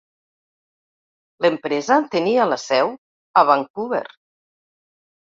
L'empresa tenia la seu a Vancouver.